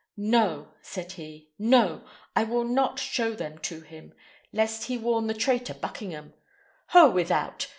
"No!" said he, "no! I will not show them to him, lest he warn the traitor Buckingham. Ho, without!